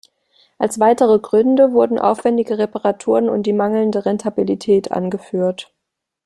Als weitere Gründe wurden aufwändige Reparaturen und die mangelnde Rentabilität angeführt.